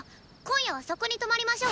今夜はそこに泊まりましょう。